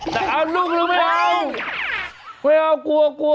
แต่เอาลูกไม่เอาไม่เอากลัวกลัวกลัวกลัว